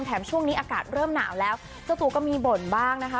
ช่วงนี้อากาศเริ่มหนาวแล้วเจ้าตัวก็มีบ่นบ้างนะคะ